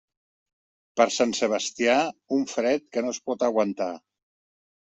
Per Sant Sebastià, un fred que no es pot aguantar.